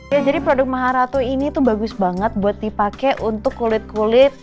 ya jadi produk maharatu ini tuh bagus banget buat dipakai untuk kulit kulit